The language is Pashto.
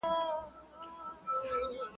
مرګ مشر او کشر ته نه ګوري !.